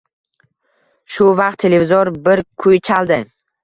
Shu vaqt televizor bir kuy chaldi.